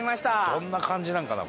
どんな感じなのかな？